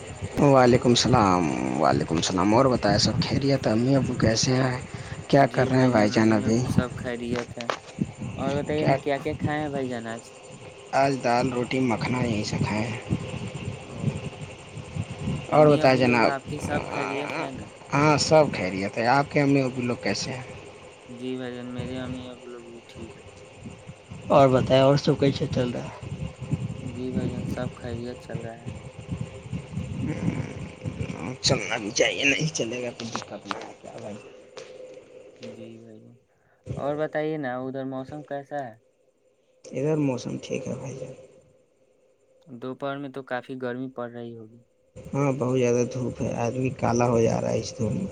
بھائی جان [unintelligible] ہیں کیا جی کر رہے ہیں بھائی جان ا ہی اب ابھی سب کھا رہیا تھے اور بتائیے نا کیا کیا کھائے ہیں بھائی جان آج آج دال روٹی مکھنا یہیں سے کھائیں او اور امی اب بتائیں وہ لوگ آپ کے جناب سب خریت ہے نا کھہرییا تھا آپ کے ہم نے وہ ب لوگ کیسے ہیں جی بھائی جان میرے امی ابو لوگ بھی ٹھیک اور بتیا اور سو کیسے چل رہا ہے جی بھ جان سب خیریت چل رہا ہے چلنا بھی چاہیے نہیں چلے گا کو دقت نہیں آ گ بھائی جی بھائی اور بتائیے نا ادھر موسم کیسا ہے ادھر موسم ٹھ ہےا جائے دوپہر میں تو کافی گرمی پڑ رہی ہوگی ہاں بہت زیادہ دھوپ ہے آدمی کالا ہو جا رہا ہے اس دھ میں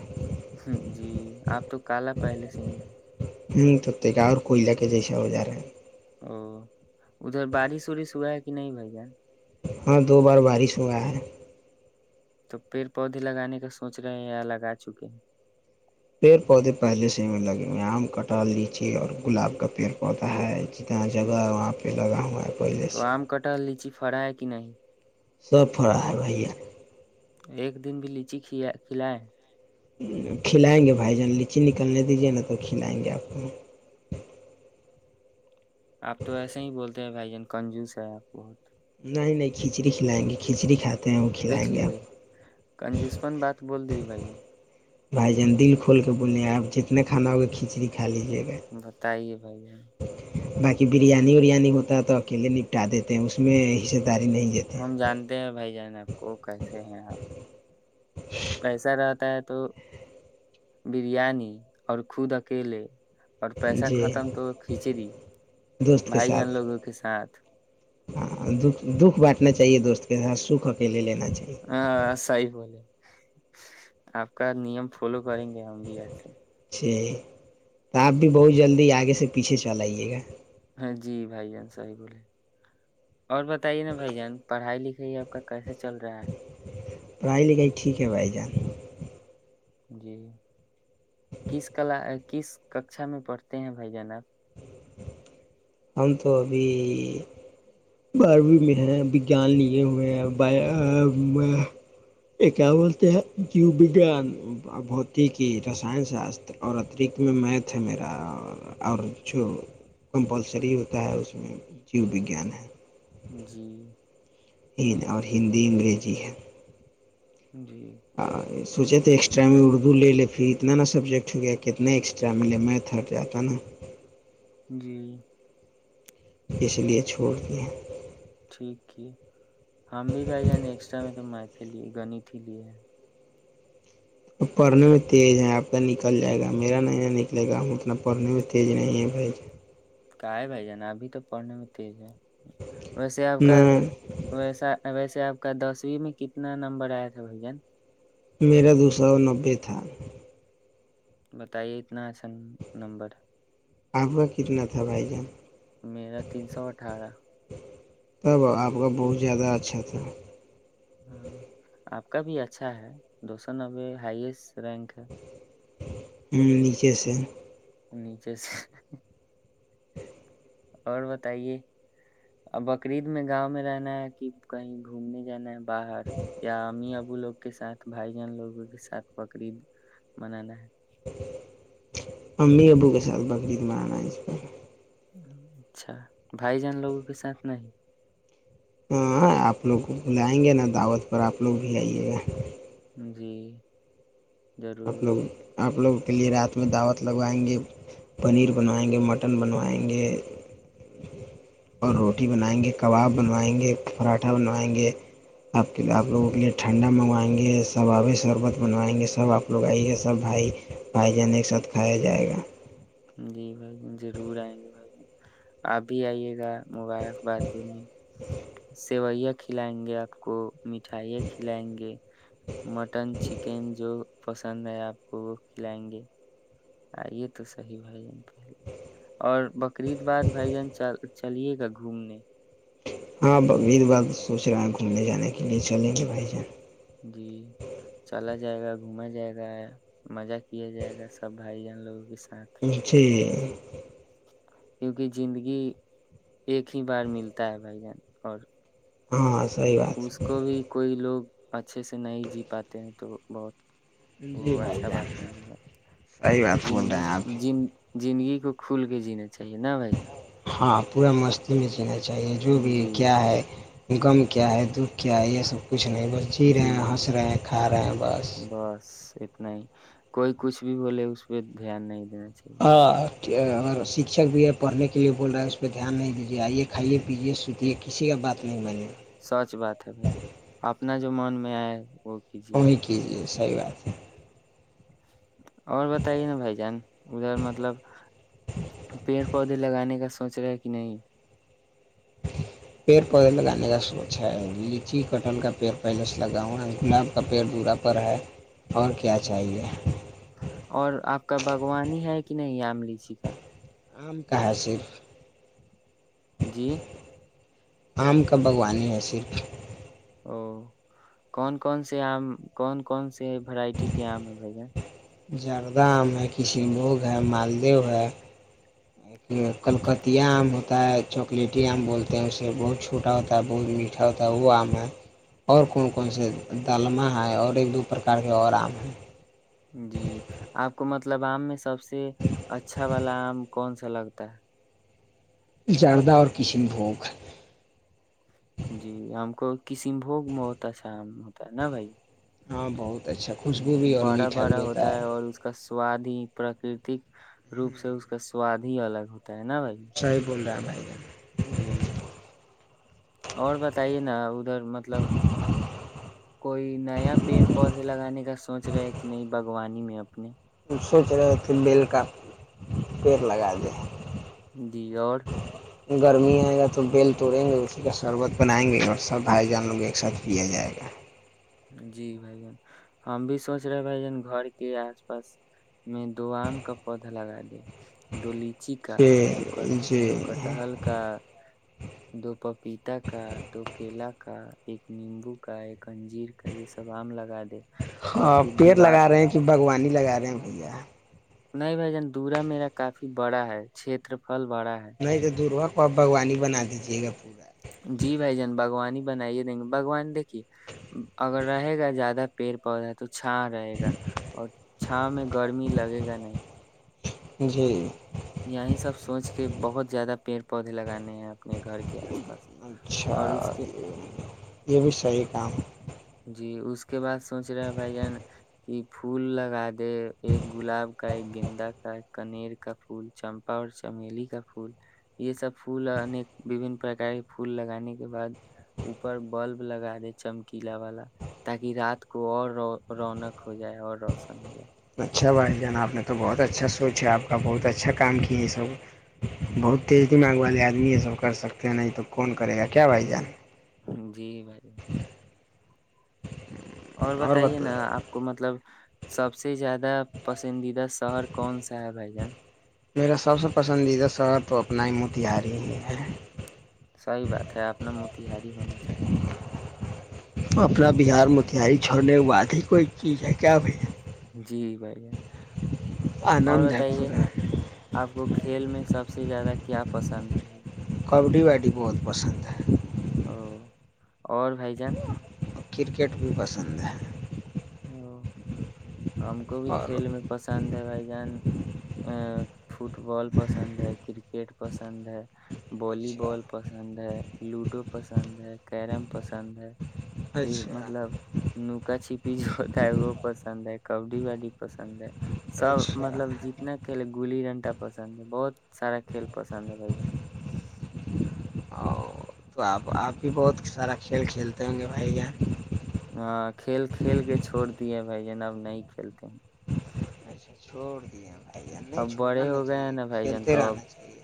جی آپ تو کالا پہلے سے ہی ہے ہ تو ت آ اور کوئی ل کے جی س ہو ج رہا ہیں او ادھر بارش وورش ہوا ہے کہ نہیں بھائی جان ہاں دو بار بارش ہوا ہے تو پیڑ پودے لگانے کا سوچ رہے ہیں یا لگا چکے ہیں پیڑ پودے پہلے سے لگے ہوئے ہیں آم کٹا لیجئے اور گلاب کا پیڑ پودا ہے جتنا جگہ ہیں وہاں پہ لگا ہو ہے پہلے سے فڑا ہے کہ نہیں سب پڑھا ہے بھیا ایک دن بھی لیچی کھلیں کھلائیں گے بھائی جان لیچی نکلنے دیجیے نا تو کھلائیں گے آپ کو اپ تو ایسے ہی بولتے ے بھائی جان کنجوس ہے آپ بہت نہیں نہیں کھچڑی کھلائیں گے کھچڑی کھاتے ہیں وہ دیکھ کھلائیں گے آپ لیے کنجوسپن بات بول دی بھائی جان بھائی جان دل کھول کے بولے آپ جتنے کھانا ہوگا کھچڑی کھ بتائیے بھائی جان باقی بریانی اریانی ہوتا ہے تو اکیلے نپٹا دیتے ہیں اس میں داری نہیں دیتے ہم جانتے ہیں بھائی جان آپ کو کیسے ہیں آپ [inaudible] پیسہ رہتا ہے تو بریانی اور خود اکیلے اور پیسہ جی ختم تو کھچڑی دوست کے بھائی جان ساتھ لوگوں کے ساتھ ہاں د دکھ بانٹنا چاہیے دوست یہاں سکھ اکیلے لینا چاہیے ہاں صحیح بولے آپ کا نیم فالو کریں گے ہم بھی ایسے جی تو آپ بھی بہت جلدی آگے سے پیچھے چل آئیے گا ہاں جی بھائی جان صحیح بولے اور بتائیے نا بھائی جان پڑھائی لکھائی آپ کا کیسے چل رہا ہے پڑھائی لکھائی ٹھیک ہے بھائی جان جی کس کلا کس ککشا میں پڑھتے ہیں بھائی جان آپ ہم تو ابھی باروی میں ہے وگیان لیے ہوئے ہی بایا میں کیا بولتے ہیں کیوب دان بھوتک ہی رسائن ساستر اور اترکت میں میتھ ہے میرا اور جو بولتے ہیں شریر کا ہے اس میں جیو وگیان ہے جی ہ اور ہندی انگلش بھی ہے جی سوچے تھے ایکسٹرا میں اردو لے لیں گے اتنا نا سبجیکٹ ہو گیا کہ کتنا ایکسٹرا میں لے میں تھک جاتا نا جی اس لیے چھوڑ دے ٹھیک کیے ہم بھی بھائی جان ایکسٹرا میں تو میتھ ہے لیے گنت ہے لیے اپ پڑھنے میں تیز ہیں آپ کا نکل جائے گا میرا نہیں نہ نکلے گا ہم اتنا پڑھنے میں تیز نہیں ہیں بھائی کائے بھائی جان اپ بھی تو پڑھ لیں میں تیز ہیں ویسے آپ جان نہ کا ویسا ویسے سے آپ کا دسویں میں کتنا نمبر آیا تھا بھائی جان میرا دو سو نبے تھا بتائیے اتنا اچھا نمبر ہے آپا کا کتنا تھا بھائی جان میرا تین سو اٹھارہ تب آپ کا بہت زیادہ اچھا تھا ہاں آپ کا بھی اچھا ہے دو سو نبے ہائیسٹ رینک ہے ہوں نیچے سے نیچے سے اور بتائیے بکری عید میں گاؤں میں رہنا ہے کہ کہیں گھومنے جانا ہے باہر یا ہم اب ابو لوگ کے ساتھ بھائی جان لوگوں کے ساتھ بقرید منانا ہے امی ابو کے ساتھ بکری عید منانا ہے اس بار اچھا بھائی جان لوگوں کے ساتھ نہیں ہاں آپ لوگ کو بلائیں گے نا دعوت پر آپ لوگ بھی آئیے گا جی آپ ضرور لوگ آپ لوگ آپ کے لیے رات میں دعوت لگوائیں گے پنیر بنوائیں گے مٹن بنوائیں گے اور روٹی بنائیں گے کباب بنوائیں گے پراٹھا بنوائیں گے آپ کےے آپ لوگوں کے لیے ٹھنڈا منگوائیں گے ثبابے شربت بنوائیں گے سب آپ لگائی گ سب بھائی بھائی جان ایک ساتھ کھایا جائے گا جی بھائی ج ضرور آئیں گے بھائی ج آپ بھی آئیے گا مبارکباد دی سیوئیاں کھلائیں گے آپ کو مٹھائیاں کھلائیں گے مٹن چکن جو پسند ہے آپ کو وہ کھلائیں گے آئیے تو سحیح بھائی جان پہلے اور بقرریید باد بھائی جان چلیے گا گھومنے ہاںبید بار سوچ رہے ہے گھومنے جانے کے لیے چلیں گے بھائی جان جی چلا جائے گا گھوما جائے گا مزہ کیا جائے گا سب بھائی جان لوگوں کے ساتھ جی کیونکہ زندگی ایک ہی بار ملتا ہے بھائی جان اور [inaudible] اس کو بھی کوئی لوگ اچھے سے نہیں جی پاتے ہیں تو بہت [inaudible] جی بھائی جان صحیح بات بول رہے ہیں آپ کو کھل کے جینا چاہیے نا بھائی ہاں پورا مستی میں چل چاہیے جو جان۔ بھی جی کیا ہے [inaudible] کچھ نہیں بس جی رہے ہیں ہنس رہے ہیں کھا رہے ہیں بس بس کوئی کچھ بھی بولے اس پہ دھیان نہیں جچی اور شکھک بھی ہے پڑھنے کے لیے بول رہا ہے اس پہ دھیان نہیں دیجیے آئیے کھائیے پیے سوتیے کسی کا بات نہیں میں نے سچ بات ہے بھائی اپنا زمان میں آئے وہ کیجیے امی کیجیے صحیح بات ہے اور بتائیے نا بھائی جان ادھر مطلب پیڑ پودے لگانے کا سوچ رہے کہ نہیں پیڑ پودے لگانے کا سوچ ہے لچی کٹل کا پیڑ پہلے سے لگاؤا گلاب کا پیڑ بورا پر ہے [inaudible] اور کیا چاہیے ک نہیں یہ آم لیچی کا آم کہاں ہے صرف جی آم کا باغوانی ہے صرف او کون کون سے آم کون کون سے وورائٹی کے آم ہیں بھ ج زردہ آم ہے کشن بھوگ ہے مالدہ ہے ایک کلکتیا آم ہوتا ہے چاکلیٹی آم بولتے ہیں اسے بہت چھوٹا ہوتا ہے بہت میٹھا ہوتا ہے وہ آم ہے اور کون کون سے ڈالمہ ہے اور ایک دو پرکار کے اور آم ہیں جی آپ کو مطلب آم میں سب سے اچھا والا آم کون سا لگتا ہے جاردہ اور کسن بھ کر کسیم بھگ میں ہوتا شام ہوتا ہے نا بھائی ہاں بہت اچھا خوشبو بھی اور بڑا میٹھا بڑا بھی ہوتا ہے اور اس کا سواد کی پراکرتک روپ سے اس کا سواد ہی الگ ہوتا ہے نا بھائی صحیح بول رہے ہیں ہم جی اور بتائیے نا ادھر مطلب کوئی نیا پیڑ پودے لگانے کا سوچ رہے ہے کہ نہیں باگوانی میں اپنے جان سوچ رہے تھے بیل کا پیڑ لگا دے جی اور گرمی آئے گا تو بیل توڑیں گے اسی کا شربت بنائیں گے اور سب بھائی جان لوں کو ایک ساتھ پیا جائے گا جی بھائی جان ہم بھی سوچ رہے بھ جان گھر کے آس پاس میں دو آم کا پودا لگا دے دو لیچی کا دو کٹ جی جی دو کٹحل کا دو پپیتا کا دو کیلا کا ایک نیمبو کا ایک انجیر کا کا یہ سب آم لگا ہاں پھر پیڑ دیوار لگا رہے ہیں کہ باگوانی لگا رہے ہیں بھیا نہیں بھائی جان دورا میرا کافی بڑا ہے چھیت پر پل بڑا ہے اور بھوانی ہی بنا دیجیے گا پورا جی بھائی جان باغوانی بنائیے دیں گے بگوان دیکھیے اگر رہے گا زیادہ پیڑ پودا تو چھا رہے گا اور چھا میں گرمی لگے گا نہیں جی یہیں سب سوچ کے بہت زیادہ پیڑ پودے لگانے ہیں اپنے گھر کے آس پاس اچھا اور اس کے یہ بھی صحیح کام جی اس کے بعد سوچ رہا بائھی جان کہ پھول لگا دے ایک گلاب کا ایک گینندا کا ایک کنیر کا پھول چمپا اور چمیلی کا پھول یہ سب پھول انیک وبن پرک کے پھول لگانے کے بعد اوپر بلب لگا دے چمکی پیلا والا تاکہ رات کو اور ر رونق ہو جائے اور روشن ہو جائے اچھا بھائی جان آپ نے تو بہت اچھا سوچ ہے آپ کا بہت اچھا کام کیا ہے یہ سب بہت تیز دماغ والے آدمی یہ سب کر سکتے ہیں نہیں تو کون کرے گا کیا بھائی جان جی بھائی اور بتائیے نا آپ کو مطلب سب سے سے زیادہ پسندیدہ شہر کون سا ہے بھائی جان میرا سب سے پسندیدہ شہر تو اپنا ہی موتہاری ہی ہے صحیح بات ہے آپ ن موتیہاری ہونا چاہیے اپنا بہار متھیاری چھوڑنے کی بات ہے کوئی چیز ہے کیا بھائی جی بھائی جان اور آنند ہے بتائیے پورا آپ کو کھیل میں سب سے زیادہ کیا پسند ہے کبڈی بڈی بہت پسند ہے او اور بھائی جان کرکٹ بھی پسند ہے ہم کو بھی اور کھیل میں پسند ہے بھائی جان ا فٹ بال پسند ہے کرکٹ سند ہے والی اچھا بال پسند ہے لوڈو پسند ہے کیرم پسند ہے پھر اچھا مطلب نکا چپ جو ہوتا ہے وہ پسند ہے کبڈی والی پسند ہے سب اچھا مطلب جتنے کےلے گلی ڈنٹا پسند ہے بہت سارا کھیل پسند ہے بھائی ج او تو آپ آپ بھی بہت سارا کھیل کھیلتے ہوں گے بھائی یہ ہاں کھیل کھیل کے چھوڑ دیے بھائی جن اب نہیں کھیلتے ہیں توھوڑ دیا بھائی جان نہیں اب چھوڑنا بڑے نہیں ہو گئے ہیں چاہیے نا بھائی جان کھیلتے تو اب رہنا چاہیے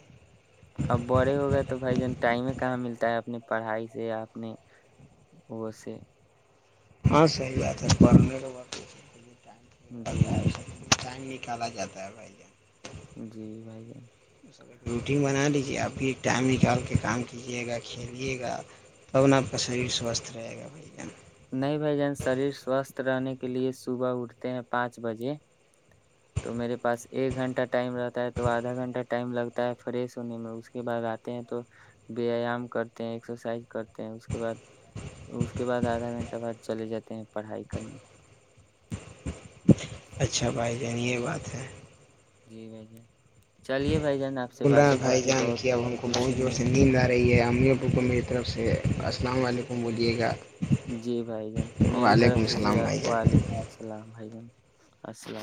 اب بڑے ہو گئے تو بھائی جان ٹائم کہاں ملتا ہے اپنی پڑھائی سے ج آپ نے وہ سے [inaudible] جی ٹائم نکالا جاتا ہے بھائی یہ جی بھائییا سب روٹین بنا لیجیے اب بھی ایک ٹائم نکال کے کام کیجیے گا کھیلیے گا تب ن آپ کا شریر سوستھ رہے گا بھائی جان نہیں بھائی جان شریر سوستھ رہنے کے لیے صبح اٹھتے ہیں پانچ بجے تو میرے پاس ایک گھنٹہ ٹائم رہتا ہے تو آدھا گھنٹہ ٹائم لگتا ہے فریش ہونے میں اس کے بعد آتے ہیں تو ویایام کرتے ہیں ایکسرسائز کرتے ہیں اس کے بعد اس کے بعد آدھا گھنٹ گھنٹہ بعد چلے جاتے ہیں پڑھائی کرنے اچھا بھائی جان یہ بات ہے جی بھائیے گلرام بھائی جان بہت کی اب ہم کو بہت خوشی زور ملی سے نیند آ رہی ہے او کو میری طرف سے السلام علیکم بولیے گا جی بھائی جان میرے وعلیکم طرف سے بھی السلام بھائی جان وعلیکم السلام بھائی جان اسل